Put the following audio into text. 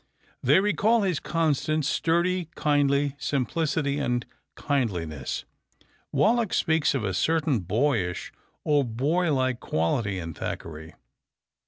They recall his constant, sturdy, kindly simplicity and kindliness. Wallack speaks of a certain boyish or boy like quality in Thackeray.